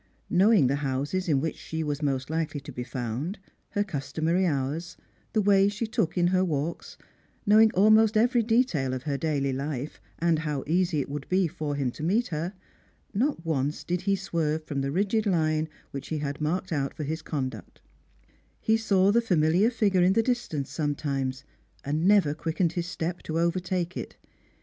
Knowing the houses in which Bhe was most likely to be found, her customary hours, the way she took iu her walks, knowing almost every detail of her daily life, and how easy it would be for him to meet her, not once did he swerve from the rigid line which he had marked out for his conduct : he saw the famihar figure in the distance sometimes, and never quickened his step to overtake it.